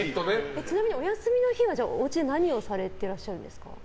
ちなみにお休みの日はおうちで何をされてらっしゃるんですか？